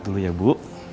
sehat dulu ya bu